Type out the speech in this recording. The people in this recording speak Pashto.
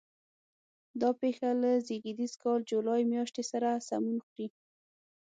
دا پېښه له زېږدیز کال جولای میاشتې سره سمون خوري.